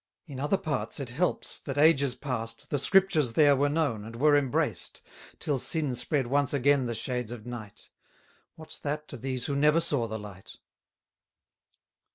In other parts it helps, that ages past, 180 The Scriptures there were known, and were embraced, Till sin spread once again the shades of night: What's that to these who never saw the light?